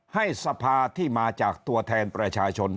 ให้สภาที่มาจากตัวแทนประชาชน